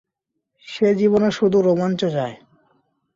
সে জীবনে শুধু রোমাঞ্চ চায়।